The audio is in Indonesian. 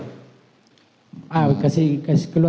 kasih keluar saja hasilnya